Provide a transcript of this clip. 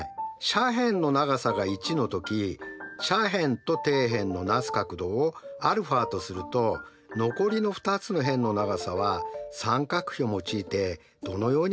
斜辺の長さが１の時斜辺と底辺のなす角度をαとすると残りの２つの辺の長さは三角比を用いてどのように表せるでしょうか。